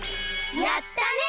やったね！